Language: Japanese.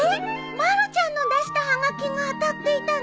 まるちゃんの出したはがきが当たっていたの？